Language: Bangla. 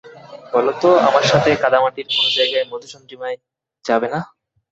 বলত, আমার সাথে কাদামাটির কোনও জায়গায় মধুচন্দ্রিমায় যাবে না।